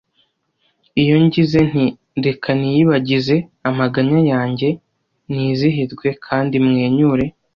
iyo ngize nti 'reka niyibagize amaganya yanjye, nizihirwe kandi mwenyure'